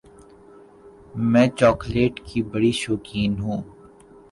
میں چاکلیٹ کی بڑی شوقین ہوں۔